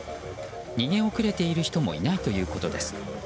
逃げ遅れている人もいないということです。